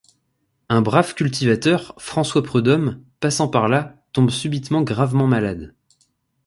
Un brave cultivateur, François Preudhomme, passant par là, tombe subitement gravement malade.